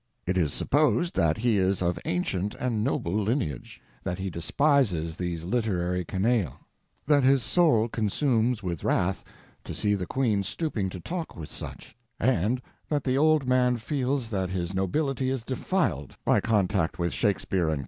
He is supposed to be of ancient and noble lineage; that he despises these literary canaille; that his soul consumes with wrath, to see the queen stooping to talk with such; and that the old man feels that his nobility is defiled by contact with Shakespeare, etc.